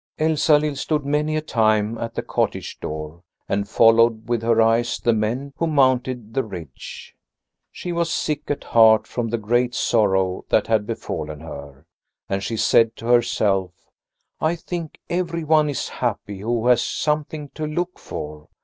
Elsalill stood many a time at the cottage door and followed with her eyes the men who mounted the ridge. She was sick at heart from the great sorrow that had befallen her, and she said to herself: "I think everyone is happy who has something to look for.